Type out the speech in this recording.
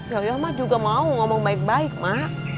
ya mak juga mau ngomong baik baik mak